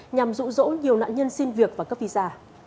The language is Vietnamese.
nhằm rụ rỗ nhiều nạn nhân xin việc và cấp visa